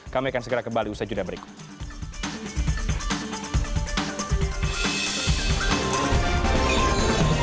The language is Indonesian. kami akan segera kembali ustaz yuda berikut